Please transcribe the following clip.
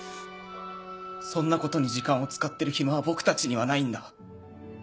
そんなことに時間を使ってる暇は僕たちにはないんだ。